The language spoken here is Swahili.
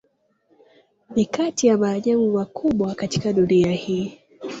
Ni kati ya maajabu makubwa ya dunia hii.